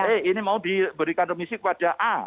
eh ini mau diberikan remisi kepada a